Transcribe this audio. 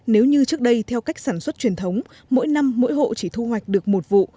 nếu như trước đây theo cách sản xuất truyền thống mỗi năm mỗi hộ chỉ thu hoạch được một vụ